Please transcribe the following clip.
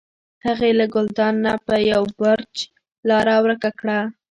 هغې له ګلداد نه په یو بړچ لاره ورکه کړه.